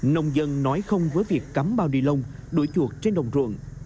nông dân nói không với việc cắm bao nhi lông đuổi chuột trên đồng ruộng